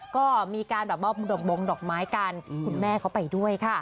ก็มีการแบบมอบดอกบงดอกไม้กันคุณแม่เขาไปด้วยค่ะ